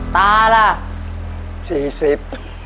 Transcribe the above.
ตาล่ะสี่สิบ